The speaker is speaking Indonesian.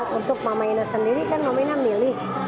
untuk mama ina sendiri kan mama ina milih